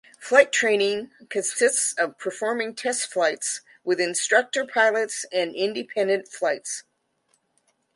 Flight training consists of performing test flights with instructor pilots and independent flights.